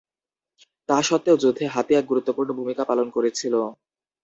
তা সত্ত্বেও, যুদ্ধে হাতি এক গুরুত্বপূর্ণ ভূমিকা পালন করেছিল।